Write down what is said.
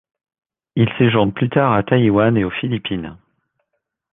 Il séjourne plus tard à Taïwan et aux Philippines.